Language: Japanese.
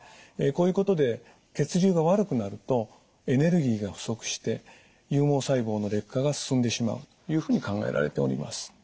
こういうことで血流が悪くなるとエネルギーが不足して有毛細胞の劣化が進んでしまうというふうに考えられております。